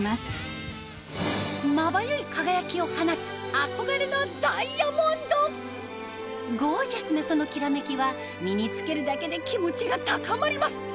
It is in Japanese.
憧れのダイヤモンドゴージャスなそのきらめきは身に着けるだけで気持ちが高まります